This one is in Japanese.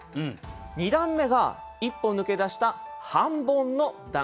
２段目が一歩抜け出した半ボンの段。